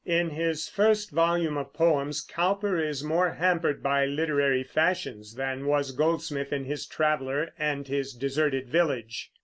In his first volume of poems, Cowper is more hampered by literary fashions than was Goldsmith in his Traveller and his Deserted Village.